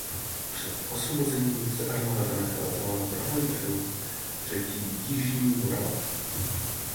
Před osvobozením se armáda nacházela na pravém břehu řeky Jižní Morava.